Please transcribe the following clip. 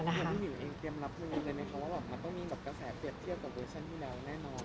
วันนี้หนูเองเตรียมรับหนึ่งเลยไหมคะ